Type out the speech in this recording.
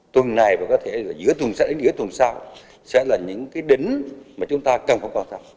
tuần này và có thể giữa tuần sau sẽ là những cái đến mà chúng ta cần phong phóng ra